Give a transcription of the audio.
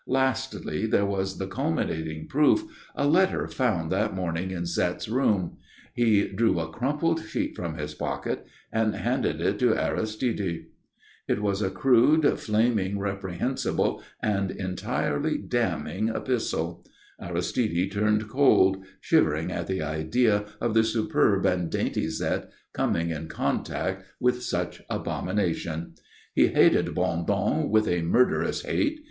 Lastly, there was the culminating proof, a letter found that morning in Zette's room. He drew a crumpled sheet from his pocket and handed it to Aristide. [Illustration: "THE VILLAIN WAS A TRAVELLER IN BUTTONS BUTTONS!"] It was a crude, flaming, reprehensible, and entirely damning epistle. Aristide turned cold, shivering at the idea of the superb and dainty Zette coming in contact with such abomination. He hated Bondon with a murderous hate.